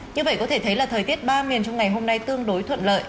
như vậy có thể thấy là thời tiết ba miền trong ngày hôm nay tương đối thuận lợi